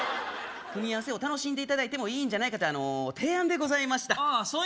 組み合わせを楽しんでいただいてもいいんじゃないかという提案でございましたあ